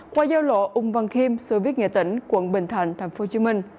qua giao lộ ung văn khiêm sở viết nghệ tỉnh quận bình thành tp hcm